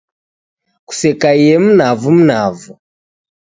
Kusekaiye mnavu mnavu.